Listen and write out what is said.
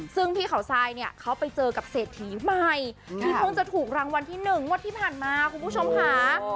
ซึ่งพี่เขาทรายเนี่ยเขาไปเจอกับเศรษฐีใหม่ที่เพิ่งจะถูกรางวัลที่๑งวดที่ผ่านมาคุณผู้ชมค่ะ